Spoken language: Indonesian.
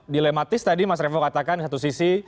dilematis tadi mas revo katakan di satu sisi